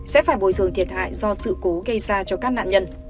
sẽ phải bồi thường thiệt hại do sự cố gây ra cho các nạn nhân